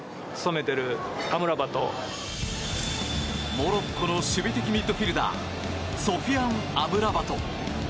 モロッコの守備的ミッドフィールダーソフィアン・アムラバト。